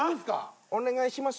お願いします。